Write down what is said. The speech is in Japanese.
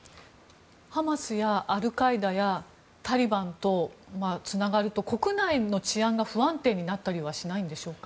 ハマスやアルカイダやタリバンとつながると国内の治安が不安定になったりしないんでしょうか？